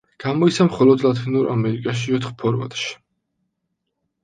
გამოიცა მხოლოდ ლათინურ ამერიკაში ოთხ ფორმატში.